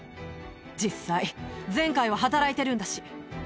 実際、前回は働いているんだし。